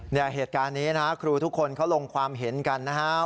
เนี่ยเหตุการณ์นี้นะครูทุกคนเขาลงความเห็นกันนะครับ